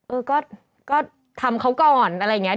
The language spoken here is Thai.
เออก็ทำเขาก่อนอะไรอย่างนี้